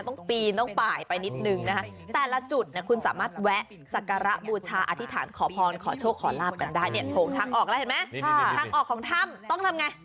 ปีนต้องป่ายไปนิดนึงนะคะแต่ละจุดเนี่ยคุณสามารถแวะสักการะบูชาอธิษฐานขอพรขอโชคขอลาบกันได้เนี่ยโถงทางออกแล้วเห็นไหมทางออกของถ้ำต้องทำไง